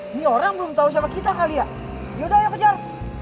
ini orang belum tahu siapa kita kali ya yaudah ya kejar